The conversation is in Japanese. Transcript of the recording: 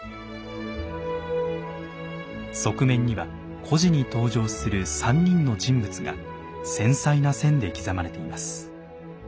側面には故事に登場する３人の人物が繊細な線で刻まれています。